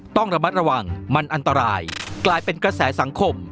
ต้องระมัดระวังมันอันตรายกลายเป็นกระแสสังคม